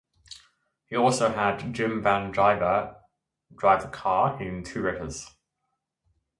He also had Jim VanDiver drive the car in two races.